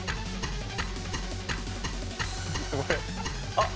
あっ！